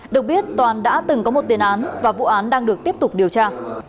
được biết toàn đã từng có một tiền án và vụ án đang được tiếp tục điều tra